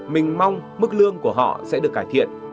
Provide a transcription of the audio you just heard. mình mong mức lương của họ sẽ được cải thiện